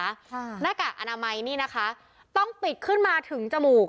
หน้ากากอนามัยนี่นะคะต้องปิดขึ้นมาถึงจมูก